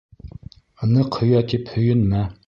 Ныҡ һөйә тип, һөйөнмә